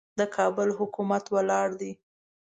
د کابل حکومت ولاړ دی.